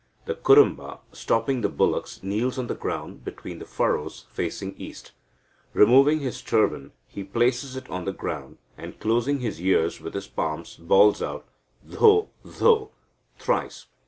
The Kurumba, stopping the bullocks, kneels on the ground between the furrows, facing east. Removing his turban, he places it on the ground, and, closing his ears with his palms, bawls out "Dho, Dho" thrice.